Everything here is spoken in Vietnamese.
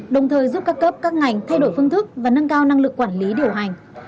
đồng thời giúp các cấp các ngành thay đổi phương thức và nâng cao năng lực quản lý điều hành